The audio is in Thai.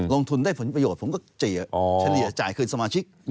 ลงทุนได้ผลประโยชน์ผมก็เฉลี่ยจ่ายคืนสมาชิก